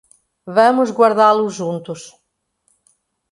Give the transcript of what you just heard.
Vamos guardá-los juntos.